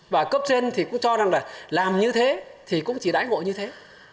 và cấp trên thì cũng cho rằng là làm như thế thì cũng chỉ đãi ngộ như thế